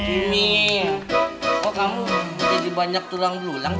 ini kok kamu jadi banyak turang dululang